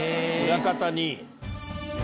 裏方に。